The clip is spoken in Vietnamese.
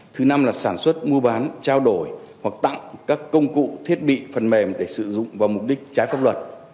thứ năm là sản xuất mua bán trao đổi hoặc tặng các công cụ thiết bị phần mềm để sử dụng vào mục đích trái pháp luật